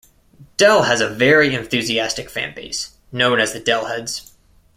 Del has a very enthusiastic fan base, known as the Del-Heads.